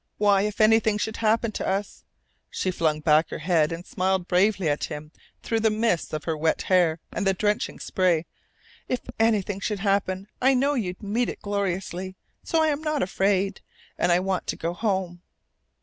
Why, if anything should happen to us" she flung back her head and smiled bravely at him through the mist of her wet hair and the drenching spray "if anything should happen I know you'd meet it gloriously. So I'm not afraid. And I want to go home."